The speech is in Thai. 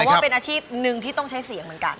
ว่าเป็นอาชีพหนึ่งที่ต้องใช้เสียงเหมือนกัน